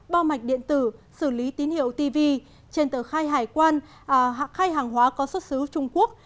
bao mạch điện tử xử lý tín hiệu tv trên tờ khai hải quan khai hàng hóa có xuất xứ trung quốc